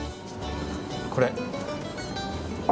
これ。